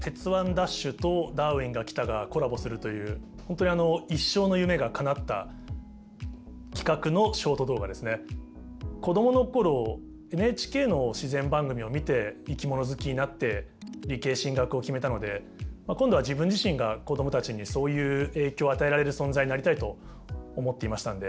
ＤＡＳＨ！！」と「ダーウィンが来た！」がコラボするという本当に子供の頃ＮＨＫの自然番組を見て生き物好きになって理系進学を決めたので今度は自分自身が子供たちにそういう影響を与えられる存在になりたいと思っていましたので。